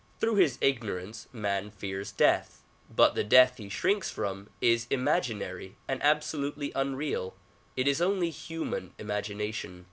Through his ignorance, man fears death; but the death he shrinks from is imaginary and absolutely unreal ; it is only human imagination.